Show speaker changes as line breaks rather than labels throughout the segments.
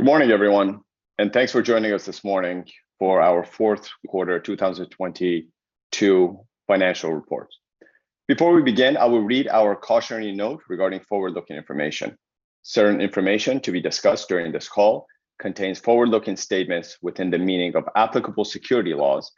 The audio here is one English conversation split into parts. Good morning everyone, and thanks for joining us this morning for our 4th quarter 2022 financial report. Before we begin, I will read our cautionary note regarding forward-looking information. Certain information to be discussed during this call contains forward-looking statements within the meaning of applicable securities laws,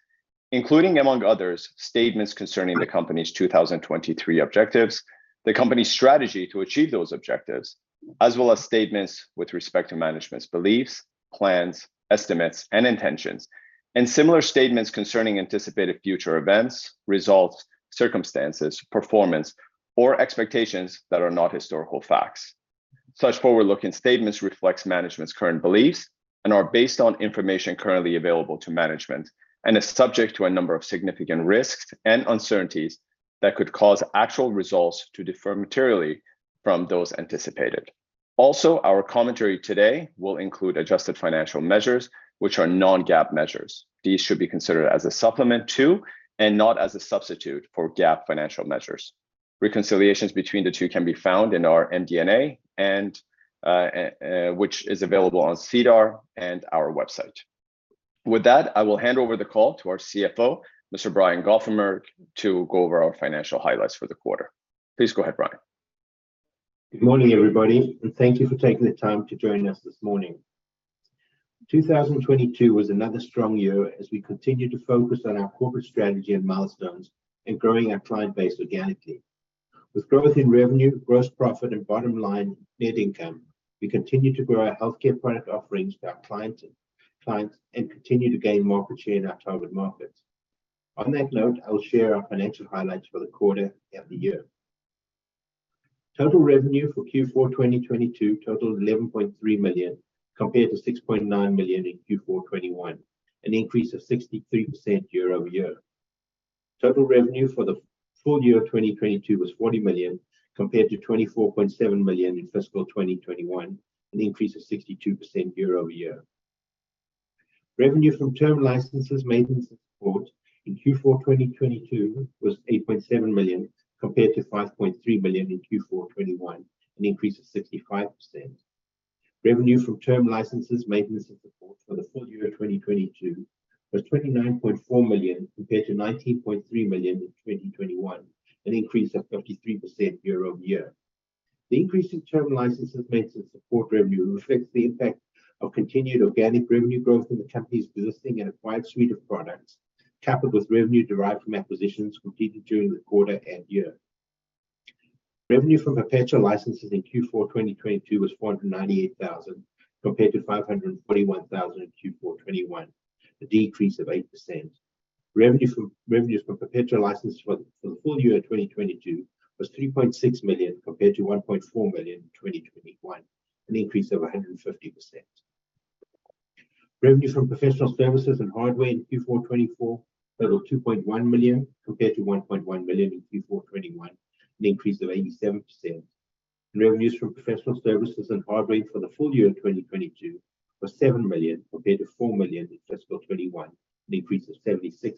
including, among others, statements concerning the company's 2023 objectives, the company's strategy to achieve those objectives, as well as statements with respect to management's beliefs, plans, estimates, and intentions, and similar statements concerning anticipated future events, results, circumstances, performance, or expectations that are not historical facts. Such forward-looking statements reflects management's current beliefs and are based on information currently available to management and is subject to a number of significant risks and uncertainties that could cause actual results to differ materially from those anticipated. Also, our commentary today will include adjusted financial measures, which are non-GAAP measures. These should be considered as a supplement to and not as a substitute for GAAP financial measures. Reconciliations between the two can be found in our MD&A and which is available on SEDAR and our website. With that, I will hand over the call to our CFO, Mr. Brian Goffenberg, to go over our financial highlights for the quarter. Please go ahead, Brian.
Good morning, everybody, and thank you for taking the time to join us this morning. 2022 was another strong year as we continued to focus on our corporate strategy and milestones in growing our client base organically. With growth in revenue, gross profit, and bottom line net income, we continued to grow our healthcare product offerings to our clients and continued to gain market share in our target markets. I'll share our financial highlights for the quarter and the year. Total revenue for Q4 2022 totaled 11.3 million, compared to 6.9 million in Q4 2021, an increase of 63% year-over-year. Total revenue for the full year 2022 was 40 million, compared to 24.7 million in fiscal 2021, an increase of 62% year-over-year. Revenue from term licenses, maintenance, and support in Q4 2022 was 8.7 million, compared to 5.3 million in Q4 2021, an increase of 65%. Revenue from term licenses, maintenance, and support for the full year 2022 was 29.4 million, compared to 19.3 million in 2021, an increase of 33% year-over-year. The increase in term licenses, maintenance, and support revenue reflects the impact of continued organic revenue growth in the company's existing and acquired suite of products, coupled with revenue derived from acquisitions completed during the quarter and year. Revenue from perpetual licenses in Q4 2022 was 498,000, compared to 541,000 in Q4 2021, a decrease of 8%. Revenues from perpetual licenses for the full year 2022 was 3.6 million, compared to 1.4 million in 2021, an increase of 150%. Revenue from professional services and hardware in Q4 2024 totaled 2.1 million, compared to 1.1 million in Q4 2021, an increase of 87%. Revenues from professional services and hardware for the full year 2022 was 7 million, compared to 4 million in fiscal 2021, an increase of 76%.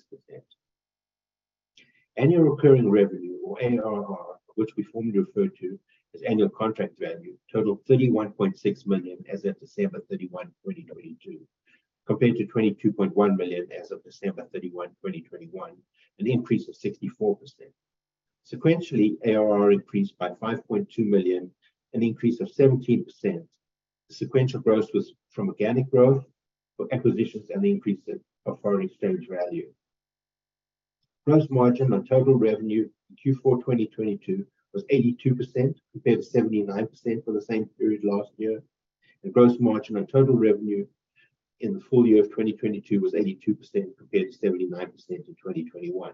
Annual recurring revenue, or ARR, which we formerly referred to as annual contract value, totaled 31.6 million as of December 31, 2022, compared to 22.1 million as of December 31, 2021, an increase of 64%. Sequentially, ARR increased by 5.2 million, an increase of 17%. The sequential growth was from organic growth for acquisitions and the increase of foreign exchange value. Gross margin on total revenue in Q4 2022 was 82%, compared to 79% for the same period last year. Gross margin on total revenue in the full year of 2022 was 82%, compared to 79% in 2021.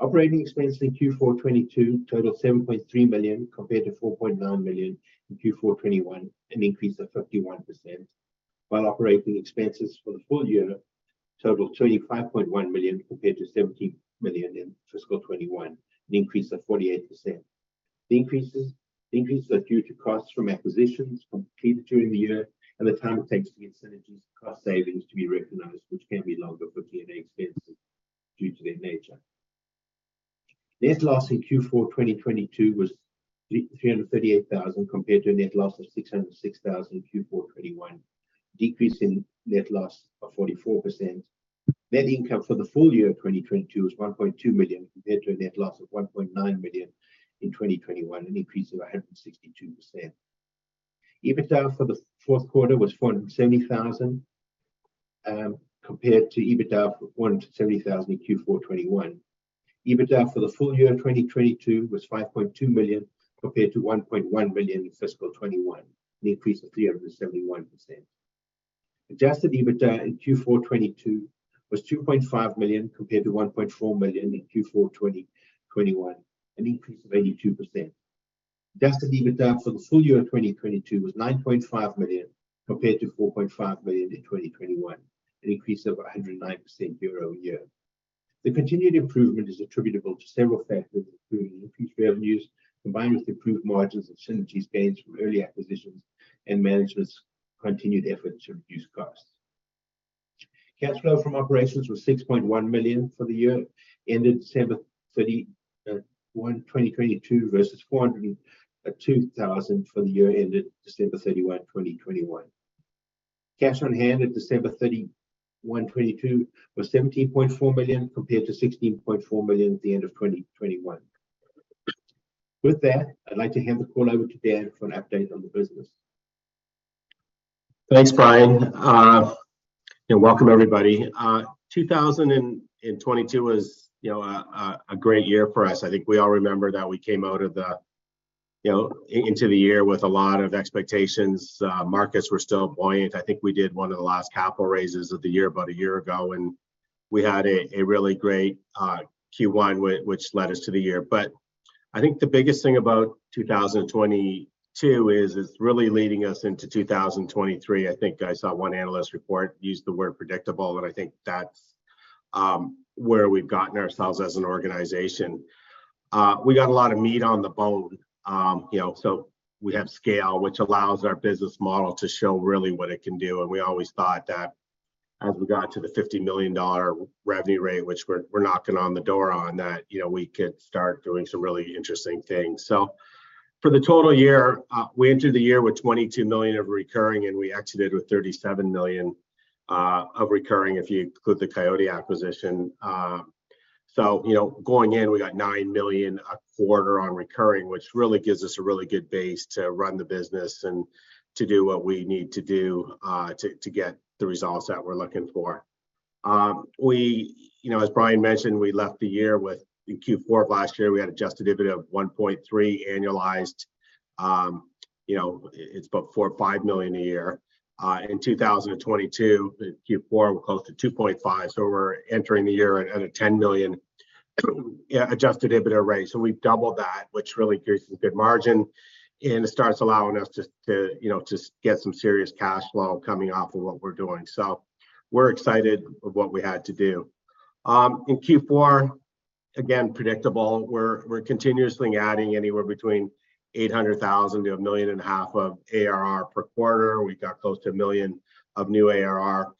Operating expenses in Q4 2022 totaled 7.3 million, compared to 4.9 million in Q4 2021, an increase of 51%, while operating expenses for the full year totaled 25.1 million, compared to 17 million in fiscal 2021, an increase of 48%. The increases are due to costs from acquisitions completed during the year and the time it takes to get synergies and cost savings to be recognized, which can be longer for G&A expenses due to their nature. Net loss in Q4 2022 was 338,000 compared to a net loss of 606,000 in Q4 2021, decrease in net loss of 44%. Net income for the full year 2022 was 1.2 million, compared to a net loss of 1.9 million in 2021, an increase of 162%. EBITDA for the fourth quarter was 470,000 compared to EBITDA of 170,000 in Q4 2021. EBITDA for the full year 2022 was 5.2 million, compared to 1.1 million in fiscal 2021, an increase of 371%. Adjusted EBITDA in Q4 2022 was 2.5 million, compared to 1.4 million in Q4 2021, an increase of 82%. Adjusted EBITDA for the full year 2022 was 9.5 million, compared to 4.5 million in 2021, an increase of 109% year-over-year. The continued improvement is attributable to several factors, including increased revenues, combined with improved margins and synergies gained from early acquisitions and management's continued efforts to reduce costs. Cash flow from operations was 6.1 million for the year ended December 31, 2022 versus 402,000 for the year ended December 31, 2021. Cash on hand at December 31, 2022 was 17.4 million compared to 16.4 million at the end of 2021. With that, I'd like to hand the call over to Dan for an update on the business.
Thanks, Brian. Welcome everybody. 2022 was, you know, a great year for us. I think we all remember that we came out of the, you know, into the year with a lot of expectations. Markets were still buoyant. I think we did one of the last capital raises of the year about a year ago, and we had a really great Q1 which led us to the year. I think the biggest thing about 2022 is it's really leading us into 2023. I think I saw one analyst report use the word predictable, and I think that's where we've gotten ourselves as an organization. We got a lot of meat on the bone, you know, we have scale, which allows our business model to show really what it can do, And we always thought that as we got to the 50 million dollar revenue rate, which we're knocking on the door on, that, you know, we could start doing some really interesting things. For the total year, we entered the year with 22 million of recurring, and we exited with 37 million of recurring if you include the Coyote acquisition. You know, going in, we got 9 million a quarter on recurring, which really gives us a really good base to run the business and to do what we need to do to get the results that we're looking for. We, you know, as Brian mentioned, we left the year with, in Q4 of last year, we had Adjusted EBITDA of 1.3 million annualized. You know, it's about 4 million-5 million a year. In 2022, in Q4, we're close to 2.5 million. We're entering the year at a 10 million Adjusted EBITDA rate. We've doubled that, which really creates a good margin, and it starts allowing us to, you know, to get some serious cash flow coming off of what we're doing. We're excited of what we had to do. In Q4, again, predictable. We're continuously adding anywhere between 800,000-1.5 million of ARR per quarter. We got close to 1 million of new ARR.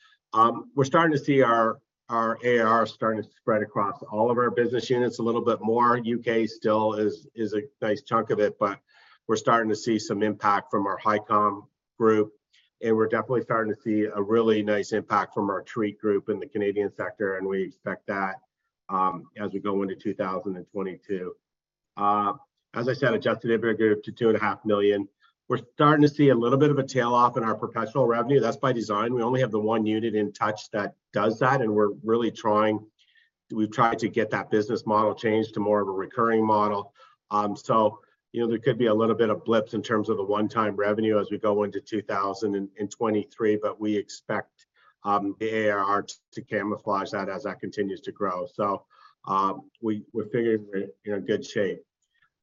We're starting to see our ARR starting to spread across all of our business units a little bit more. U.K. still is a nice chunk of it, but we're starting to see some impact from our Hicom group, and we're definitely starting to see a really nice impact from our TREAT group in the Canadian sector, and we expect that as we go into 2022. As I said, Adjusted EBITDA to 2.5 million. We're starting to see a little bit of a tail off in our professional revenue. That's by design. We only have the one unit Intouch that does that, and we're really trying. We've tried to get that business model changed to more of a recurring model. You know, there could be a little bit of blips in terms of the one-time revenue as we go into 2023, but we expect the ARR to camouflage that as that continues to grow. We're figuring, you know, good shape.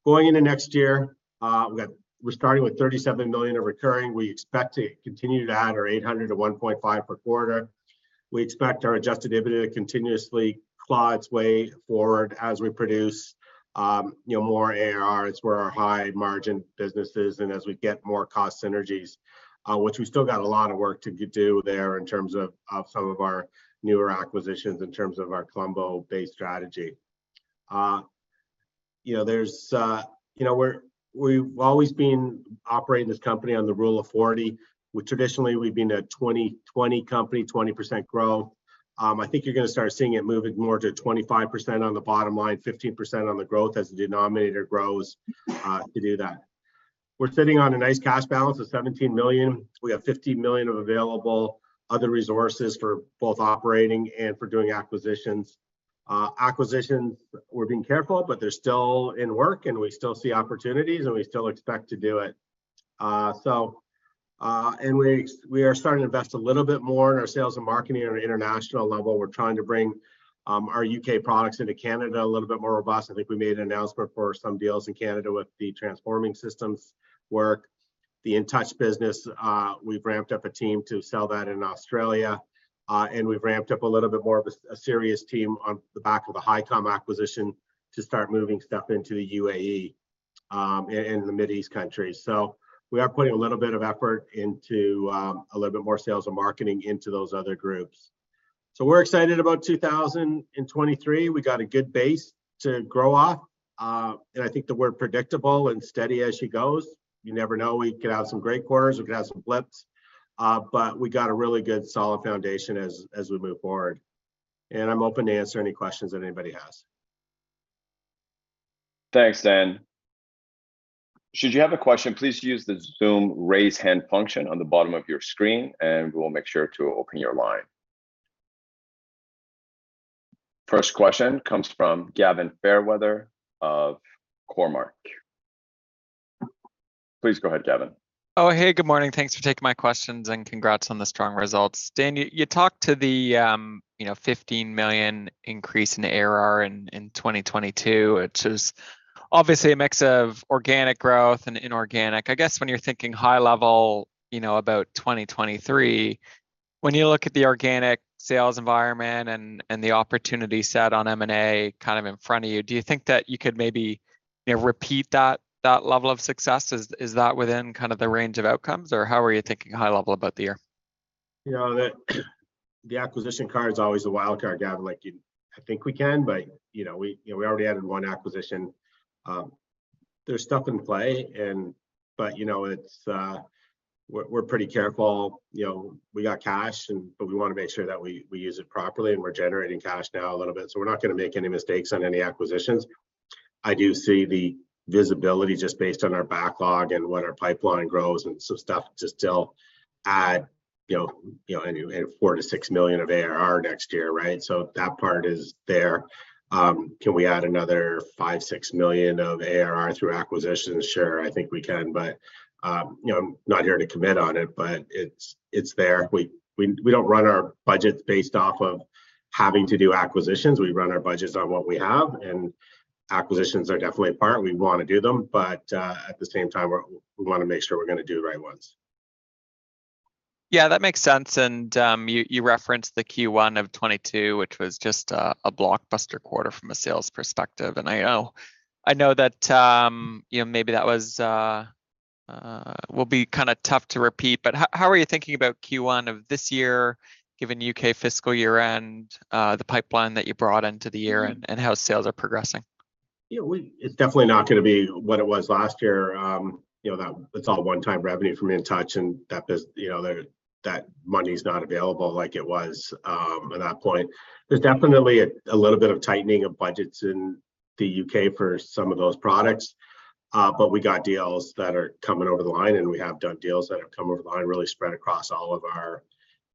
Going into next year, we're starting with 37 million of recurring. We expect to continue to add our 800,000-1.5 million per quarter. We expect our Adjusted EBITDA to continuously claw its way forward as we produce, you know, more ARR. It's where our high margin business is. As we get more cost synergies, which we still got a lot of work to do there in terms of some of our newer acquisitions, in terms of our Colombo-based strategy. You know, we've always been operating this company on the Rule of 40. Traditionally, we've been a 20/20 company, 20% growth. I think you're gonna start seeing it moving more to 25% on the bottom line, 15% on the growth as the denominator grows to do that. We're sitting on a nice cash balance of 17 million. We have 50 million of available other resources for both operating and for doing acquisitions. Acquisitions, we're being careful, but they're still in work, and we still see opportunities, and we still expect to do it. We are starting to invest a little bit more in our sales and marketing on an international level. We're trying to bring our U.K. products into Canada a little bit more robust. I think we made an announcement for some deals in Canada with the Transforming Systems work. The Intouch business, we've ramped up a team to sell that in Australia. We've ramped up a little bit more of a serious team on the back of the Hicom acquisition to start moving stuff into the U.A.E. and the Mid East countries. We are putting a little bit of effort into a little bit more sales and marketing into those other groups. We're excited about 2023. We got a good base to grow off, and I think the word predictable and steady as she goes. You never know. We could have some great quarters. We could have some blips. We got a really good, solid foundation as we move forward. I'm open to answer any questions that anybody has.
Thanks, Dan. Should you have a question, please use the Zoom raise hand function on the bottom of your screen, and we will make sure to open your line. First question comes from Gavin Fairweather of Cormark. Please go ahead, Gavin.
Oh, hey, good morning. Thanks for taking my questions, congrats on the strong results. Dan, you talked to the, you know, 15 million increase in ARR in 2022, which is obviously a mix of organic growth and inorganic. I guess when you're thinking high level, you know, about 2023, when you look at the organic sales environment and the opportunity set on M&A kind of in front of you, do you think that you could maybe, you know, repeat that level of success? Is that within kind of the range of outcomes, or how are you thinking high level about the year?
You know, the acquisition card's always a wild card, Gav. Like, you, I think we can, you know, we, you know, we already added one acquisition. There's stuff in play and, you know, it's, we're pretty careful. You know, we got cash and we wanna make sure that we use it properly, and we're generating cash now a little bit. We're not gonna make any mistakes on any acquisitions. I do see the visibility just based on our backlog and what our pipeline grows and some stuff to still add, you know, 4 million-6 million of ARR next year, right? That part is there. Can we add another 5 million, 6 million of ARR through acquisitions? Sure, I think we can. You know, I'm not here to commit on it, but it's there. We don't run our budgets based off of having to do acquisitions. We run our budgets on what we have, and acquisitions are definitely a part. We wanna do them, at the same time, we wanna make sure we're gonna do the right ones.
Yeah, that makes sense. You referenced the Q1 of 2022, which was just a blockbuster quarter from a sales perspective. I know that, you know, maybe will be kind of tough to repeat, but how are you thinking about Q1 of this year given U.K. fiscal year-end, the pipeline that you brought into the year, and how sales are progressing?
Yeah, it's definitely not gonna be what it was last year. you know, that, it's all one-time revenue from Intouch, and that you know, there, that money's not available like it was, at that point. There's definitely a little bit of tightening of budgets in the U.K. for some of those products. We got deals that are coming over the line, and we have done deals that have come over the line really spread across all of our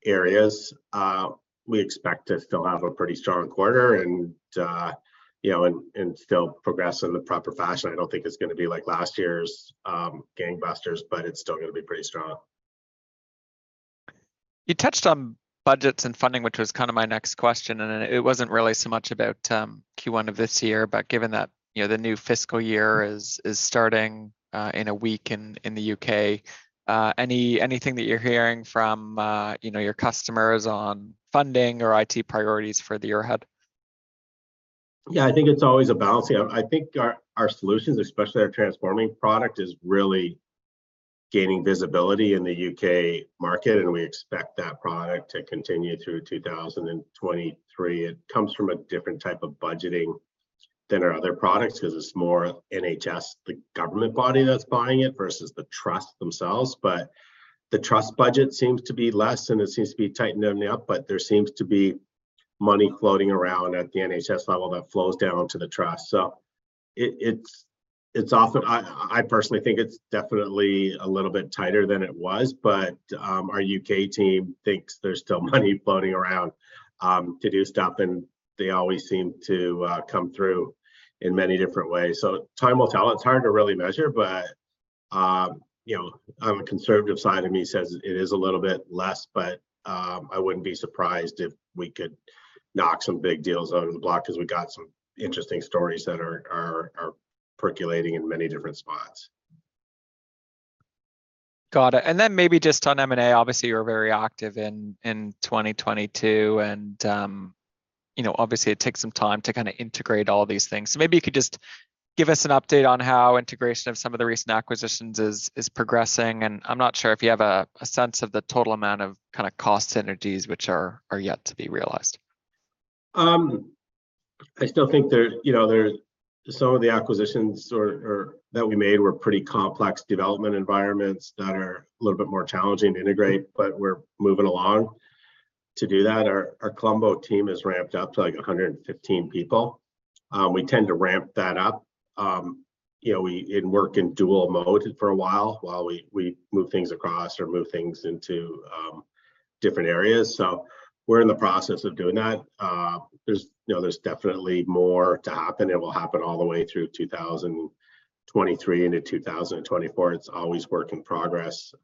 areas. We expect to still have a pretty strong quarter and, you know, and still progress in the proper fashion. I don't think it's gonna be like last year's, gangbusters, but it's still gonna be pretty strong.
You touched on budgets and funding, which was kind of my next question, and then it wasn't really so much about, Q1 of this year, but given that, you know, the new fiscal year is starting, in a week in the U.K., anything that you're hearing from, you know, your customers on funding or IT priorities for the year ahead?
Yeah. I think our solutions, especially our Transforming product, is really gaining visibility in the U.K. market, and we expect that product to continue through 2023. It comes from a different type of budgeting than our other products, ’cause it's more NHS, the government body that's buying it, versus the trust themselves. The trust budget seems to be less, and it seems to be tightening up, but there seems to be money floating around at the NHS level that flows down to the trust. I personally think it's definitely a little bit tighter than it was, but our U.K. team thinks there's still money floating around to do stuff, and they always seem to come through in many different ways. Time will tell. It's hard to really measure, but, you know, the conservative side of me says it is a little bit less, but, I wouldn't be surprised if we could knock some big deals out of the block, 'cause we got some interesting stories that are percolating in many different spots.
Got it. Then maybe just on M&A, obviously you were very active in 2022, and, you know, obviously it takes some time to kind of integrate all these things. Maybe you could just give us an update on how integration of some of the recent acquisitions is progressing. I'm not sure if you have a sense of the total amount of kind of cost synergies which are yet to be realized?
I still think, you know, some of the acquisitions or that we made were pretty complex development environments that are a little bit more challenging to integrate, but we're moving along to do that. Our Colombo team has ramped up to, like, 115 people. We tend to ramp that up, you know, and work in dual mode for a while we move things across or move things into different areas. We're in the process of doing that. There's, you know, there's definitely more to happen. It will happen all the way through 2023 into 2024. It's always work in progress.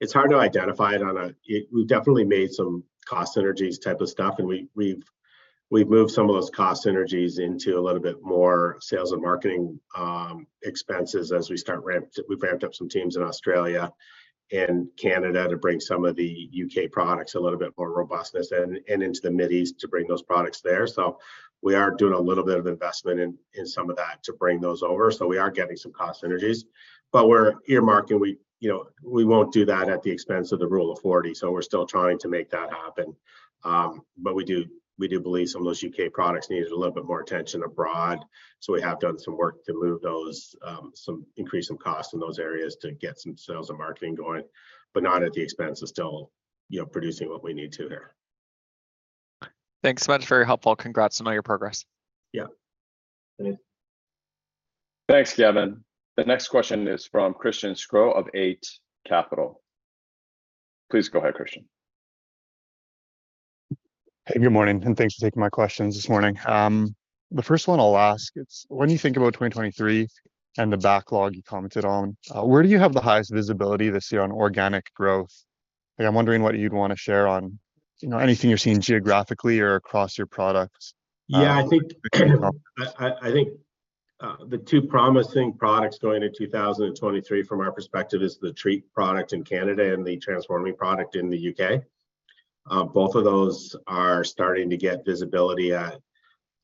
It's hard to identify it, we've definitely made some cost synergies type of stuff, and we've moved some of those cost synergies into a little bit more sales and marketing expenses as we've ramped up some teams in Australia and Canada. To bring some of the U.K. products a little bit more robustness and into the Mid East to bring those products there. We are doing a little bit of investment in some of that to bring those over. We are getting some cost synergies. We're earmarking, we, you know, we won't do that at the expense of the Rule of 40. We're still trying to make that happen. We do believe some of those U.K. products needed a little bit more attention abroad, so we have done some work to move those, some increase in cost in those areas to get some sales and marketing going, but not at the expense of still, you know, producing what we need to here.
Thanks so much. Very helpful. Congrats on all your progress.
Yeah. Thanks.
Thanks, Gavin. The next question is from Christian Sgro of Eight Capital. Please go ahead, Christian.
Hey. Good morning, and thanks for taking my questions this morning. The first one I'll ask, when you think about 2023 and the backlog you commented on, where do you have the highest visibility this year on organic growth? Like, I'm wondering what you'd wanna share on, you know, anything you're seeing geographically or across your products?
Yeah. I think the two promising products going into 2023 from our perspective is the TREAT product in Canada and the Transforming product in the U.K. Both of those are starting to get visibility at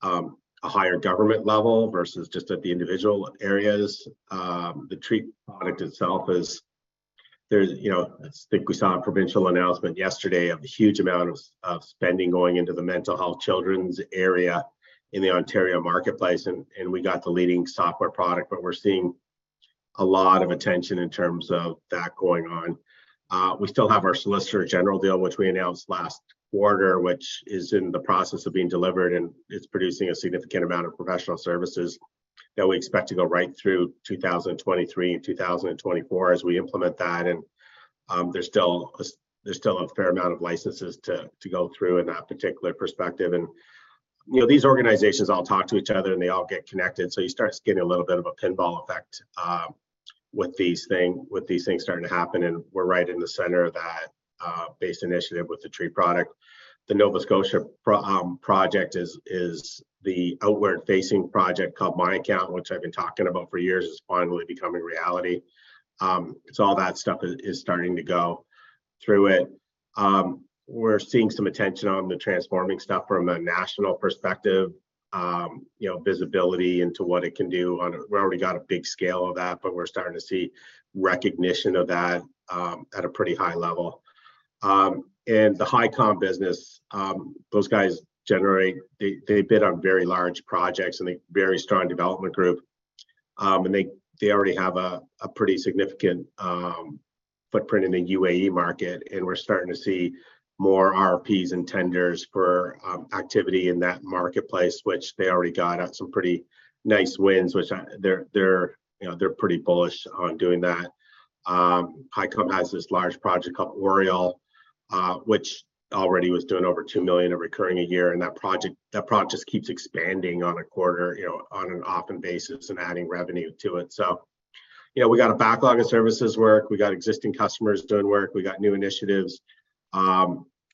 a higher government level versus just at the individual areas. The TREAT product itself, there's, you know, I think we saw a provincial announcement yesterday of the huge amount of spending going into the mental health children's area in the Ontario marketplace, and we got the leading software product. We're seeing a lot of attention in terms of that going on. We still have our Solicitor General deal, which we announced last quarter, which is in the process of being delivered, and it's producing a significant amount of professional services that we expect to go right through 2023 and 2024 as we implement that. There's still a fair amount of licenses to go through in that particular perspective. You know, these organizations all talk to each other, and they all get connected. You start getting a little bit of a pinball effect with these things starting to happen, and we're right in the center of that based initiative with the TREAT product. The Nova Scotia project is the outward-facing project called My Account, which I've been talking about for years, is finally becoming reality. All that stuff is starting to go through it. We're seeing some attention on the Transforming Systems stuff from a national perspective. You know, visibility into what it can do. We already got a big scale of that, but we're starting to see recognition of that at a pretty high level. The Hicom business, those guys generate. They bid on very large projects, and a very strong development group. They already have a pretty significant footprint in the U.A.E. market, and we're starting to see more RFPs and tenders for activity in that marketplace, which they already got some pretty nice wins, which they're, you know, they're pretty bullish on doing that. Hicom has this large project called Oriel, which already was doing over 2 million in recurring a year, and that project keeps expanding on a quarter, you know, on an often basis and adding revenue to it. You know, we got a backlog of services work. We got existing customers doing work. We got new initiatives.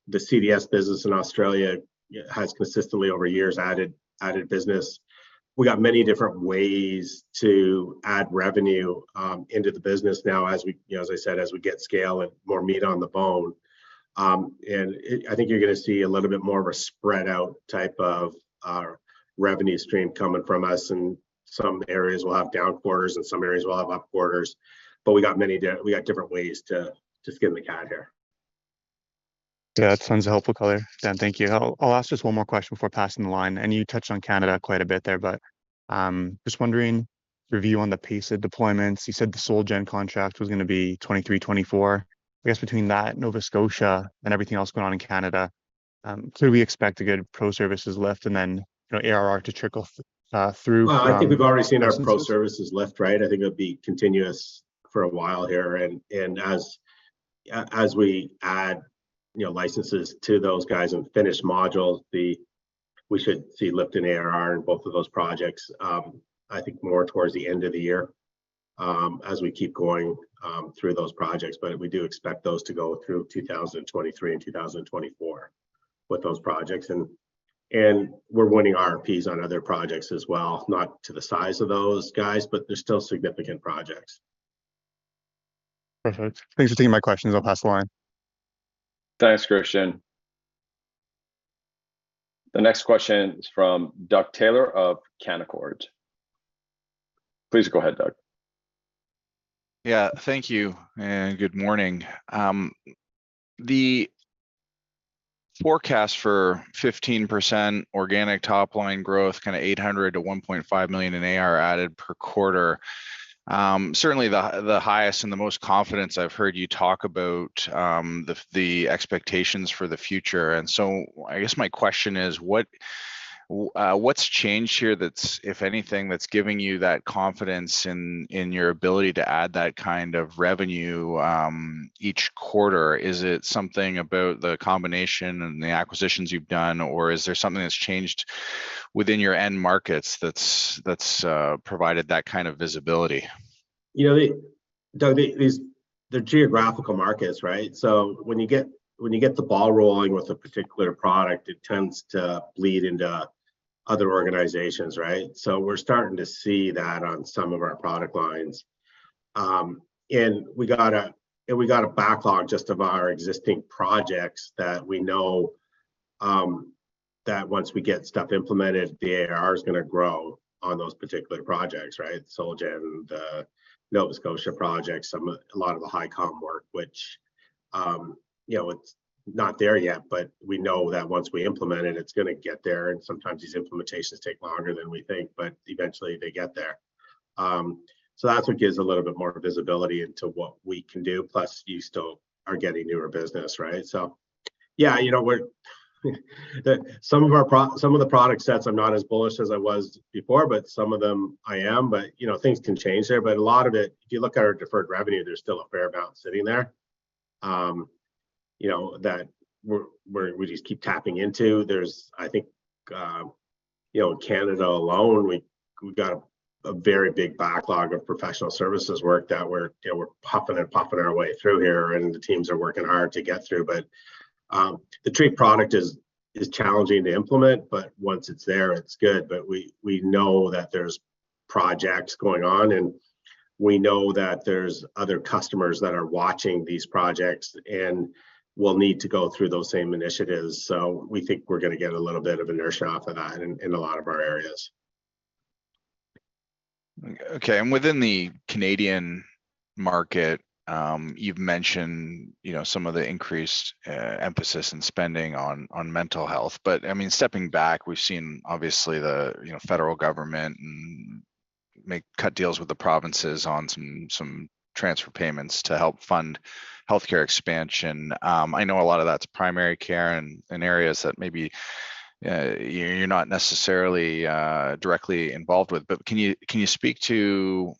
The CDS business in Australia, you know, has consistently over years added business. We got many different ways to add revenue into the business now, as we, you know, as I said, as we get scale and more meat on the bone. I think you're gonna see a little bit more of a spread out type of revenue stream coming from us, and some areas will have down quarters and some areas will have up quarters. We got different ways to skin the cat here.
Yeah. That sounds a helpful color, Dan. Thank you. I'll ask just one more question before passing the line. You touched on Canada quite a bit there, but just wondering, review on the pace of deployments. You said the SolGen contract was gonna be 2023, 2024. I guess between that, Nova Scotia, and everything else going on in Canada, so we expect a good pro services lift and then, you know, ARR to trickle through from?
Well, I think we've already seen our pro services lift, right? I think it'll be continuous for a while here. As we add, you know, licenses to those guys and finish modules, we should see lift in ARR in both of those projects, I think more towards the end of the year, as we keep going through those projects. We do expect those to go through 2023 and 2024 with those projects. We're winning RFPs on other projects as well, not to the size of those guys, but they're still significant projects.
Perfect. Thanks for taking my questions. I'll pass the line.
Thanks, Christian. The next question is from Doug Taylor of Canaccord. Please go ahead, Doug.
Yeah. Thank you, and good morning. The forecast for 15% organic top line growth, kindof 800,000-1.5 million in ARR added per quarter, certainly the highest and the most confidence I've heard you talk about, the expectations for the future. I guess my question is: What's changed here that's, if anything, that's giving you that confidence in your ability to add that kind of revenue each quarter? Is it something about the combination and the acquisitions you've done, or is there something that's changed within your end markets that's provided that kind of visibility?
You know, Doug, They're geographical markets, right? When you get, when you get the ball rolling with a particular product, it tends to bleed into other organizations, right? We're starting to see that on some of our product lines. We got a backlog just of our existing projects that we know, that once we get stuff implemented, the ARR is gonna grow on those particular projects, right? SolGen, the Nova Scotia projects, a lot of the Hicom work, which, you know, it's not there yet, but we know that once we implement it's gonna get there, and sometimes these implementations take longer than we think, but eventually they get there. That's what gives a little bit more visibility into what we can do, plus you still are getting newer business, right? Yeah, you know, we're the Some of our product sets, I'm not as bullish as I was before, but some of them I am. You know, things can change there. A lot of it, if you look at our deferred revenue, there's still a fair amount sitting there, you know, that we just keep tapping into. There's, I think, you know, Canada alone, we've got a very big backlog of professional services work that we're, you know, we're puffing and puffing our way through here, and the teams are working hard to get through. The TREAT product is challenging to implement, but once it's there, it's good. We know that there's projects going on, and we know that there's other customers that are watching these projects and will need to go through those same initiatives. We think we're gonna get a little bit of inertia off of that in a lot of our areas.
Okay. Within the Canadian market, you've mentioned, you know, some of the increased emphasis in spending on mental health. I mean, stepping back, we've seen obviously the, you know, federal government make cut deals with the provinces on some transfer payments to help fund healthcare expansion. I know a lot of that's primary care and areas that maybe you're not necessarily directly involved with. Can you speak to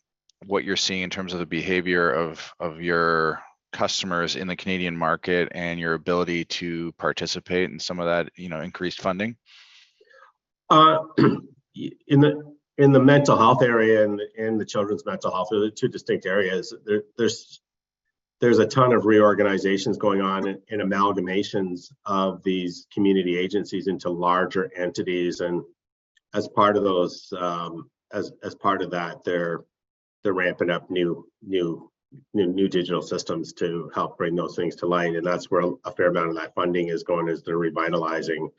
what you're seeing in terms of the behavior of your customers in the Canadian market and your ability to participate in some of that, you know, increased funding?
In the mental health area and in the children's mental health area, the two distinct areas, there's a ton of reorganizations going on and amalgamations of these community agencies into larger entities. As part of those, as part of that, they're ramping up new digital systems to help bring those things to light, and that's where a fair amount of that funding is going, is they're revitalizing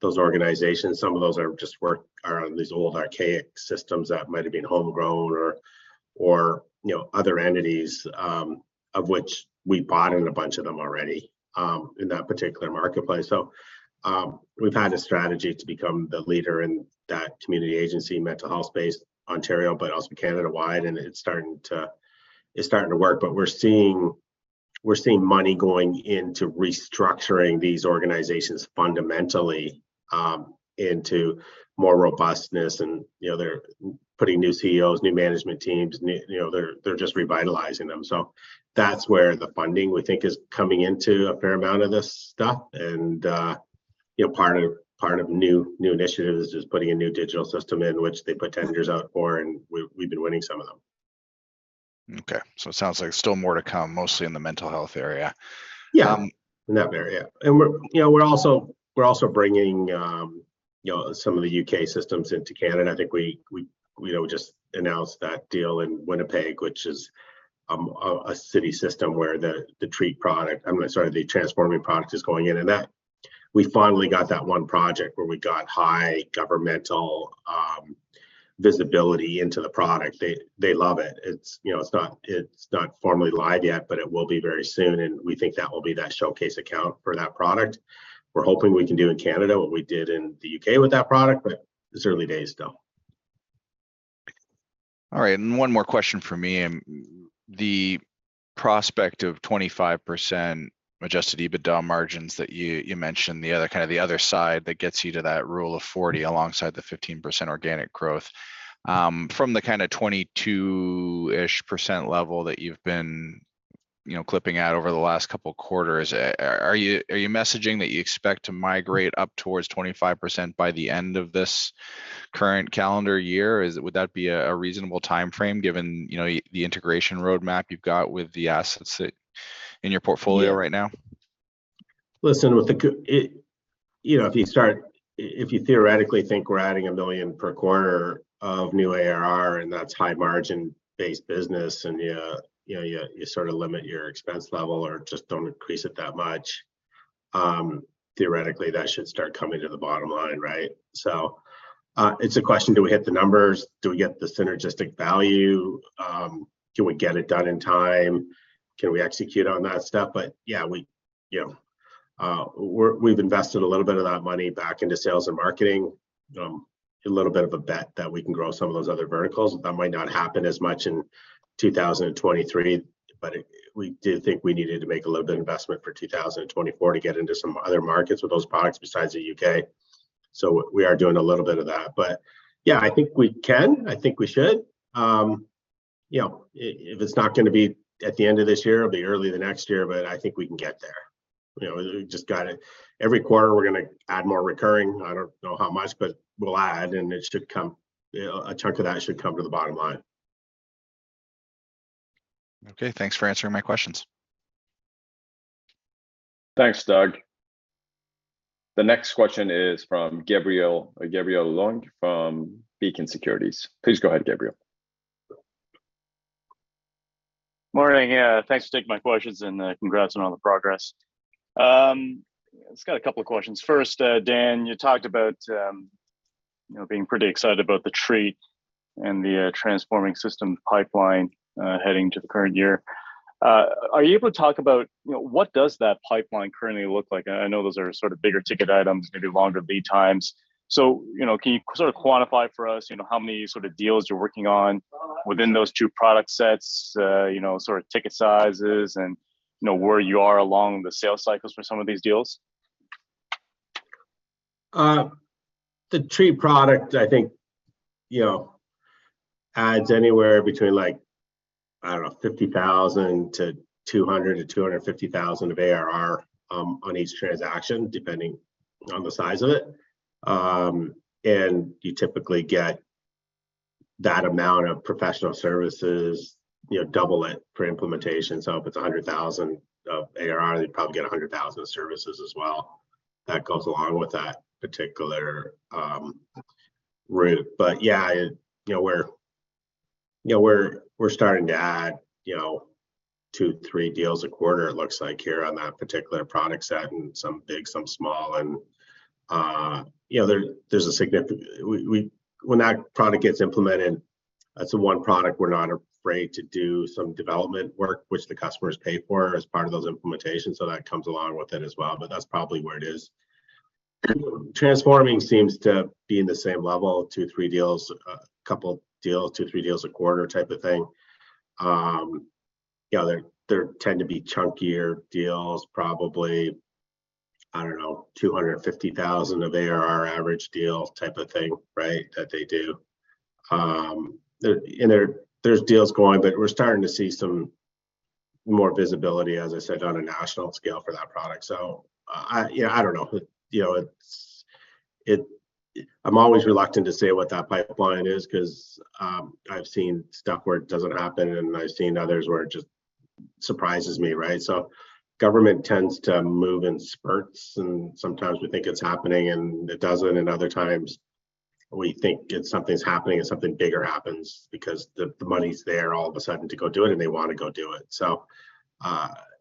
those organizations. Some of those are just work around these old archaic systems that might've been homegrown or, you know, other entities, of which we bought in a bunch of them already, in that particular marketplace. We've had a strategy to become the leader in that community agency mental health space, Ontario, but also Canada-wide, and it's starting to work. We're seeing money going into restructuring these organizations fundamentally, into more robustness and, you know, they're putting new CEOs, new management teams, new. You know, they're just revitalizing them. That's where the funding, we think, is coming into a fair amount of this stuff. You know, part of new initiatives is putting a new digital system in which they put tenders out for and we've been winning some of them.
Okay. It sounds like still more to come, mostly in the mental health area.
Yeah. In that area. We're, you know, we're also bringing, you know, some of the U.K. systems into Canada. I think we, you know, just announced that deal in Winnipeg, which is a city system where the TREAT product, the Transforming product is going in. That, we finally got that one project where we got high governmental visibility into the product. They love it. It's, you know, it's not formally live yet, but it will be very soon, and we think that will be that showcase account for that product. We're hoping we can do in Canada what we did in the U.K. with that product, but it's early days still.
All right. One more question from me. The prospect of 25% Adjusted EBITDA margins that you mentioned, the other, kind of the other side that gets you to that Rule of 40 alongside the 15% organic growth, from the kind of 22-ish% level that you've been, you know, clipping at over the last couple quarters, are you messaging that you expect to migrate up towards 25% by the end of this current calendar year? Would that be a reasonable timeframe given, you know, the integration roadmap you've got with the assets that in your portfolio right now?
Yeah. Listen, with the You know, if you start, if you theoretically think we're adding 1 million per quarter of new ARR, and that's high margin-based business, and you know, you sort of limit your expense level or just don't increase it that much, theoretically, that should start coming to the bottom line, right? It's a question, do we hit the numbers? Do we get the synergistic value? Can we get it done in time? Can we execute on that stuff? Yeah, we, you know, we're, we've invested a little bit of that money back into sales and marketing, a little bit of a bet that we can grow some of those other verticals. That might not happen as much in 2023, but it. We do think we needed to make a little bit of investment for 2024 to get into some other markets with those products besides the U.K. We are doing a little bit of that. Yeah, I think we can. I think we should. You know, if it's not gonna be at the end of this year, it'll be early the next year, but I think we can get there. You know, we just got to, every quarter we're gonna add more recurring. I don't know how much, but we'll add, and it should come, you know, a chunk of that should come to the bottom line.
Okay. Thanks for answering my questions.
Thanks, Doug. The next question is from Gabriel Leung from Beacon Securities. Please go ahead, Gabriel.
Morning. Thanks for taking my questions and congrats on all the progress. Just got a couple of questions. First, Dan, you talked about, you know, being pretty excited about the TREAT and the Transforming Systems pipeline heading to the current year. Are you able to talk about, you know, what does that pipeline currently look like? I know those are sort of bigger ticket items, maybe longer lead times. You know, can you sort of quantify for us, you know, how many sort of deals you're working on within those two product sets, you know, sort of ticket sizes and, you know, where you are along the sales cycles for some of these deals?
The TREAT product, I think, you know, adds anywhere between, like, I don't know, 50,000-250,000 of ARR on each transaction, depending on the size of it. You typically get that amount of professional services, you know, double it for implementation. If it's 100,000 of ARR, you'd probably get 100,000 of services as well. That goes along with that particular route. Yeah, you know, we're, you know, we're starting to add, you know, two, three deals a quarter it looks like here on that particular product set, and some big, some small. You know, there's a significant When that product gets implemented, that's the one product we're not afraid to do some development work, which the customers pay for as part of those implementations, so that comes along with it as well, but that's probably where it is. Transforming Systems to be in the same level, two, three deals, a couple deals, two, three deals a quarter type of thing. you know, they tend to be chunkier deals, probably, I don't know, 250,000 are our average deal type of thing, right? That they do. there, and there's deals going, but we're starting to see some more visibility, as I said, on a national scale for that product. I, you know, I don't know. You know, I'm always reluctant to say what that pipeline is, 'cause, I've seen stuff where it doesn't happen, and I've seen others where it just surprises me, right? Government tends to move in spurts, and sometimes we think it's happening and it doesn't, and other times we think it's something's happening and something bigger happens because the money's there all of a sudden to go do it and they wanna go do it.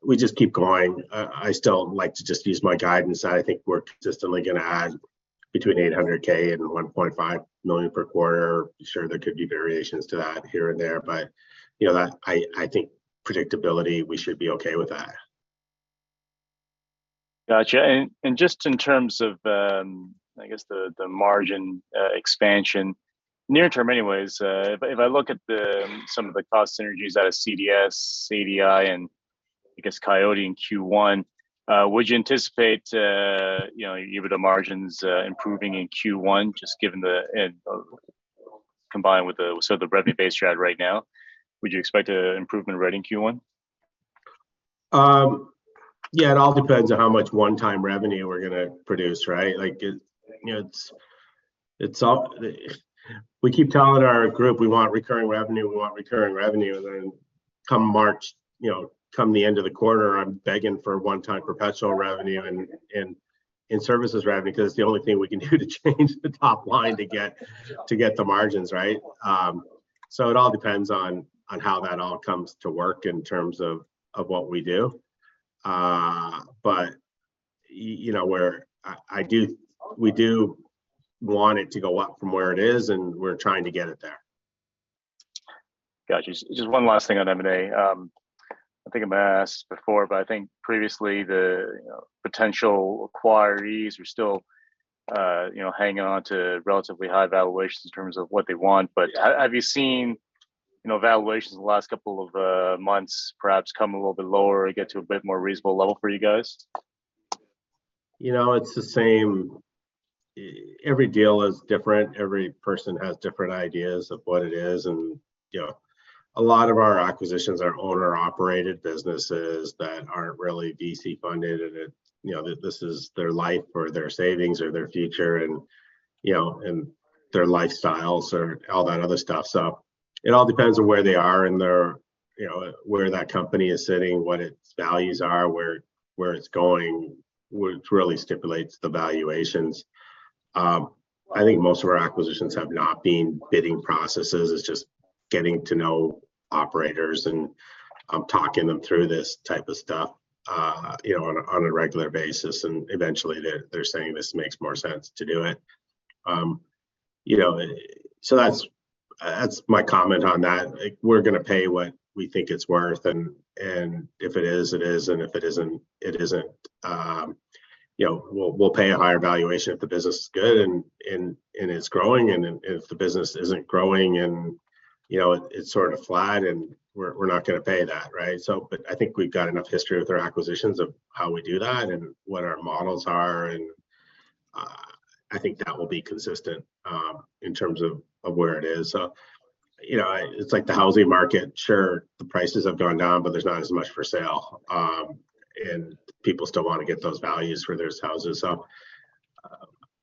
We just keep going. I still like to just use my guidance. I think we're consistently gonna add between 800K and 1.5 million per quarter. Sure, there could be variations to that here and there, but, you know, that, I think predictability, we should be okay with that.
Gotcha. Just in terms of, I guess the margin expansion, near term anyways, if I look at some of the cost synergies out of CDS, ADI, and I guess Coyote in Q1, would you anticipate, you know, either the margins improving in Q1 combined with the sort of the revenue base you had right now, would you expect an improvement in revenue in Q1?
Yeah, it all depends on how much one-time revenue we're gonna produce, right? Like, you know, it's all, we keep telling our group, "We want recurring revenue, we want recurring revenue." Then come March, you know, come the end of the quarter, I'm begging for one-time perpetual revenue and services revenue, 'cause it's the only thing we can do to change the top line to get the margins, right? So it all depends on how that all comes to work in terms of what we do. But, you know, I do, we do want it to go up from where it is, and we're trying to get it there.
Gotcha. Just one last thing on M&A. I think I may have asked before, but I think previously the, you know, potential acquirees were still, you know, hanging on to relatively high valuations in terms of what they want. Have you seen, you know, valuations the last couple of months perhaps come a little bit lower or get to a bit more reasonable level for you guys?
You know, it's the same. Every deal is different. Every person has different ideas of what it is and, you know. A lot of our acquisitions are owner-operated businesses that aren't really VC funded, and it. You know, this is their life or their savings or their future and, you know, and their lifestyles or all that other stuff. It all depends on where they are in their, you know, where that company is sitting, what its values are, where it's going, which really stipulates the valuations. I think most of our acquisitions have not been bidding processes. It's just getting to know operators and, talking them through this type of stuff, you know, on a, on a regular basis. Eventually they're saying this makes more sense to do it. You know, so that's my comment on that. Like, we're gonna pay what we think it's worth, and if it is, it is, and if it isn't, it isn't. You know, we'll pay a higher valuation if the business is good and it's growing. If the business isn't growing and, you know, it's sort of flat, then we're not gonna pay that, right? I think we've got enough history with our acquisitions of how we do that and what our models are, and I think that will be consistent in terms of where it is. You know, it's like the housing market. Sure, the prices have gone down, but there's not as much for sale. People still wanna get those values for those houses.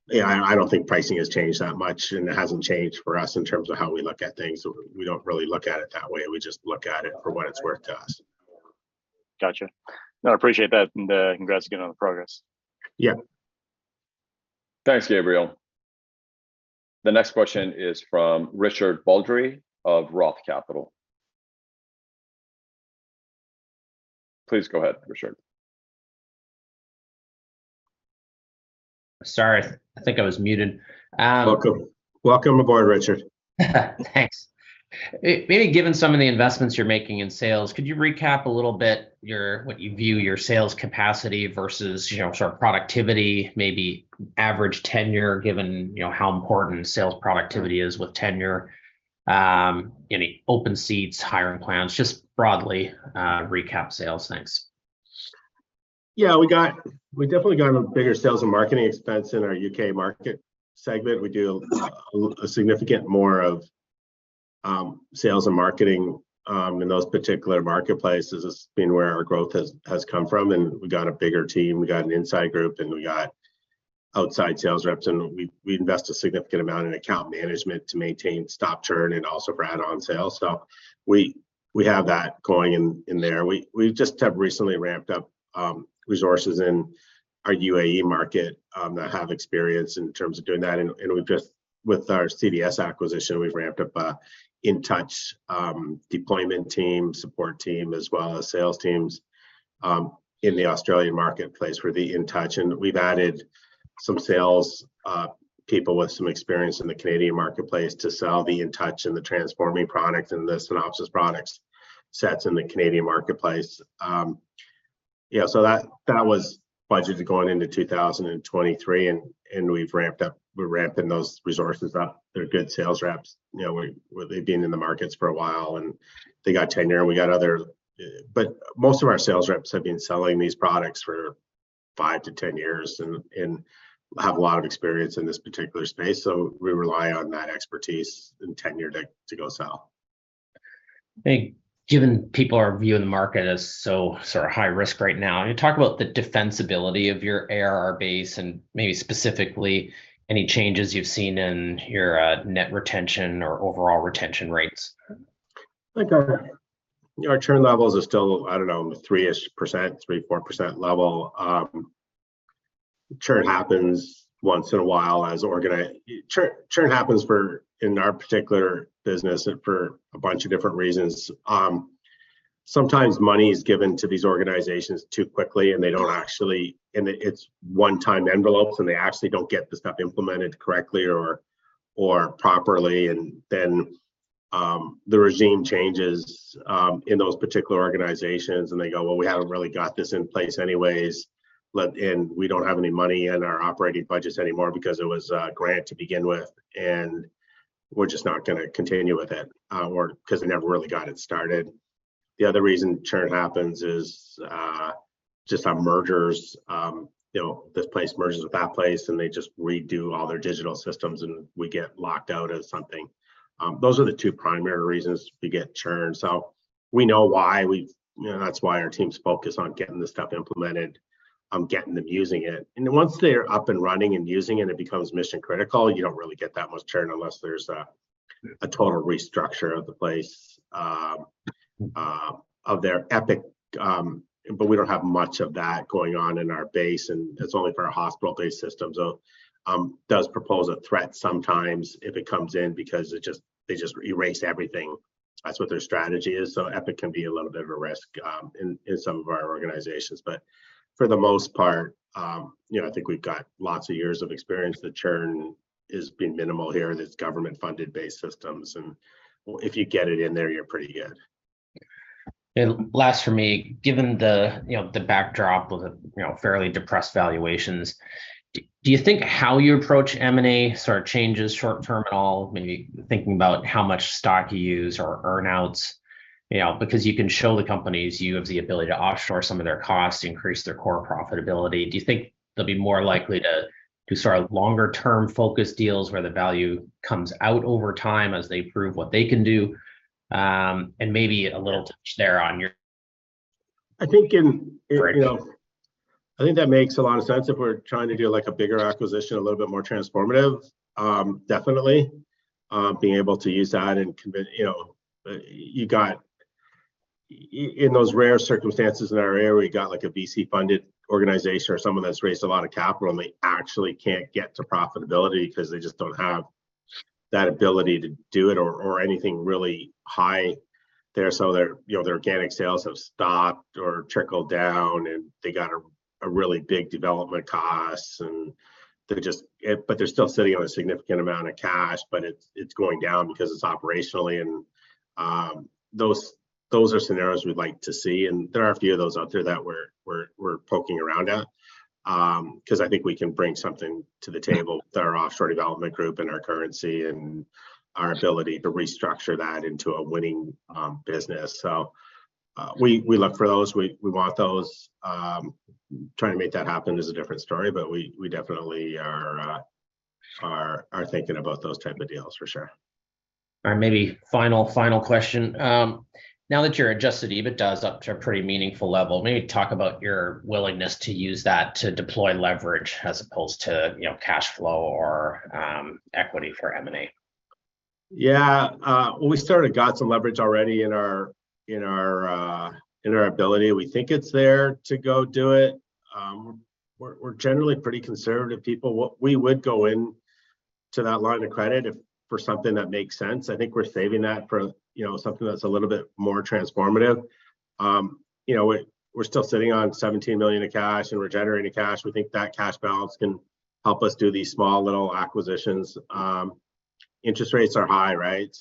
Yeah, I don't think pricing has changed that much, and it hasn't changed for us in terms of how we look at things. We, we don't really look at it that way. We just look at it for what it's worth to us.
Gotcha. No, I appreciate that, and congrats again on the progress.
Yeah.
Thanks, Gabriel. The next question is from Richard Baldry of Roth Capital. Please go ahead, Richard.
Sorry, I think I was muted.
Welcome. Welcome aboard, Richard.
Thanks. Maybe given some of the investments you're making in sales, could you recap a little bit your, what you view your sales capacity versus, you know, sort of productivity, maybe average tenure, given, you know, how important sales productivity is with tenure? Any open seats, hiring plans? Just broadly recap sales. Thanks.
Yeah. We definitely got a bigger sales and marketing expense in our U.K. market segment. We do a significant more of sales and marketing in those particular marketplaces. It's been where our growth has come from, we got a bigger team. We got an insight group, and we got outside sales reps and we invest a significant amount in account management to maintain stop churn and also for add-on sales. We have that going in there. We just have recently ramped up resources in our U.A.E. market that have experience in terms of doing that. We've just, with our CDS acquisition, we've ramped up a Intouch deployment team, support team, as well as sales teams in the Australian marketplace for the Intouch. We've added some sales people with some experience in the Canadian marketplace to sell the Intouch and the transforming product and the Synopsis product sets in the Canadian marketplace. Yeah, so that was budgeted going into 2023 and we're ramping those resources up. They're good sales reps. You know, where they've been in the markets for a while, and they got tenure. Most of our sales reps have been selling these products for 5 years-10 years and have a lot of experience in this particular space. We rely on that expertise and tenure to go sell.
I think given people are viewing the market as so sort of high risk right now, can you talk about the defensibility of your ARR base and maybe specifically any changes you've seen in your net retention or overall retention rates?
Like our churn levels are still, I don't know, 3-ish%, 3%, 4% level. Churn happens once in a while as Churn happens for, in our particular business and for a bunch of different reasons. Sometimes money is given to these organizations too quickly, and they don't actually. And it's one-time envelopes, and they actually don't get the stuff implemented correctly or properly. The regime changes in those particular organizations, and they go, "Well, we haven't really got this in place anyways. And we don't have any money in our operating budgets anymore because it was a grant to begin with, and we're just not gonna continue with it, or 'cause we never really got it started." The other reason churn happens is just on mergers. You know, this place merges with that place, and they just redo all their digital systems, and we get locked out of something. Those are the two primary reasons we get churn. We know why. We've, you know, that's why our team's focused on getting the stuff implemented, on getting them using it. Once they're up and running and using it becomes mission-critical. You don't really get that much churn unless there's a total restructure of the place, of their Epic. We don't have much of that going on in our base, and it's only for our hospital-based system. Does propose a threat sometimes if it comes in because it just, they just erase everything. That's what their strategy is. Epic can be a little bit of a risk, in some of our organizations. For the most part, you know, I think we've got lots of years of experience. The churn has been minimal here in this government-funded based systems. If you get it in there, you're pretty good.
Last for me, given the, you know, the backdrop of the, you know, fairly depressed valuations, do you think how you approach M&A sort of changes short term at all? Maybe thinking about how much stock you use or earn-outs, you know? Because you can show the companies you have the ability to offshore some of their costs, increase their core profitability. Do you think they'll be more likely to sort of longer term focus deals where the value comes out over time as they prove what they can do and maybe
I think in, you know, I think that makes a lot of sense if we're trying to do like a bigger acquisition, a little bit more transformative. Definitely, being able to use that and you know, in those rare circumstances in our area, we got like a VC-funded organization or someone that's raised a lot of capital, and they actually can't get to profitability because they just don't have that ability to do it or anything really high there. Their, you know, their organic sales have stopped or trickled down, and they got a really big development costs. They're still sitting on a significant amount of cash, but it's going down because it's operationally. Those are scenarios we'd like to see. There are a few of those out there that we're poking around at 'cause I think we can bring something to the table with our offshore development group and our currency and our ability to restructure that into a winning business. We look for those. We want those. Trying to make that happen is a different story. We definitely are thinking about those type of deals for sure.
All right. Maybe final question. Now that your Adjusted EBITDAs up to a pretty meaningful level, maybe talk about your willingness to use that to deploy leverage as opposed to, you know, cash flow or, equity for M&A.
Well, we sort of got some leverage already in our ability. We think it's there to go do it. We're generally pretty conservative people. We would go into that line of credit if, for something that makes sense. I think we're saving that for, you know, something that's a little bit more transformative. You know, we're still sitting on 17 million of cash, and we're generating cash. We think that cash balance can help us do these small little acquisitions. Interest rates are high, right?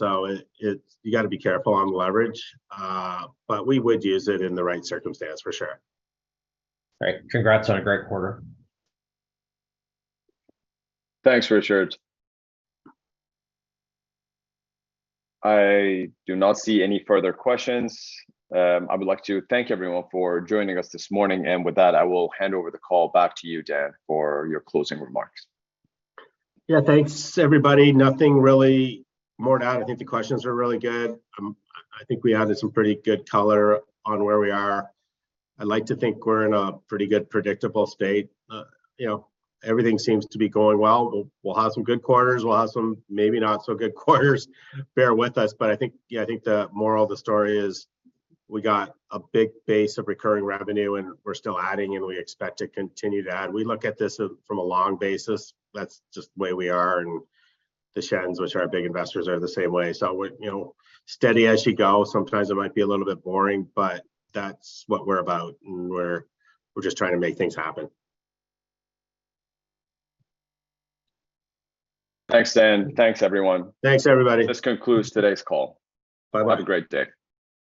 It, you got to be careful on leverage. We would use it in the right circumstance for sure.
All right. Congrats on a great quarter.
Thanks, Richard. I do not see any further questions. I would like to thank everyone for joining us this morning. With that, I will hand over the call back to you, Dan, for your closing remarks.
Thanks, everybody. Nothing really more to add. I think the questions were really good. I think we added some pretty good color on where we are. I'd like to think we're in a pretty good, predictable state. you know, everything seems to be going well. We'll have some good quarters. We'll have some maybe not so good quarters. Bear with us. I think, I think the moral of the story is we got a big base of recurring revenue, and we're still adding, and we expect to continue to add. We look at this from a long basis. That's just the way we are. The Shans, which are our big investors, are the same way. What, you know, steady as you go. Sometimes it might be a little bit boring, but that's what we're about, and we're just trying to make things happen.
Thanks, Dan. Thanks, everyone.
Thanks, everybody.
This concludes today's call.
Bye-bye.
Have a great day.